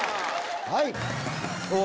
はい！